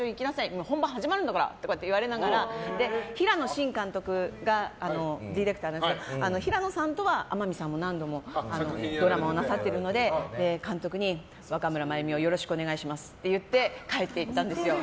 もう本番始まるんだから！とか言われながら平野監督がディレクターなんですが平野さんとは天海さんは何度もドラマをなさってるので、監督に若村麻由美をよろしくお願いしますって言って帰っていったんです。